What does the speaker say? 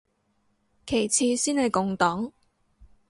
其次先係共黨